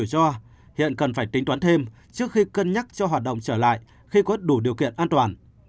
cho hiện cần phải tính toán thêm trước khi cân nhắc cho hoạt động trở lại khi có đủ điều kiện an toàn